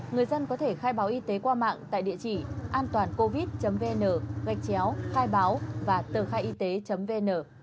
người dân có thể khai báo y tế qua mạng tại địa chỉ anton covid vn gạch chéo khai báo và tờ khai y tế vn